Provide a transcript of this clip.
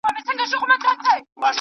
او زما شونډې وې د دواړو پیالو تږې